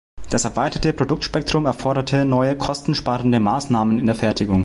Das erweiterte Produktspektrum erforderte neue kostensparende Maßnahmen in der Fertigung.